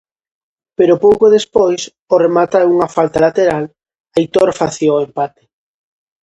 Pero pouco despois, ó rematar unha falta lateral, Aitor facía o empate.